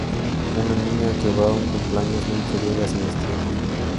Una niña que va a un cumpleaños nunca llega a su destino.